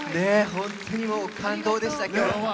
本当に感動でした。